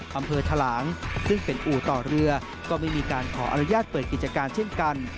ทะลางซึ่งเป็นอู่ต่อเรือก็ไม่มีการขออนุญาตเปิดกิจการเช่นกัน